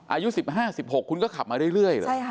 อายุ๑๕๑๖คุณก็ขับมาเรื่อยเหรอ